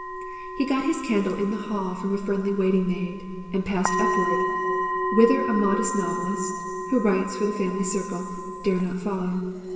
) He got his candle in the hall from a friendly waiting maid, and passed upward whither a modest novelist, who writes for the family circle, dare not follow.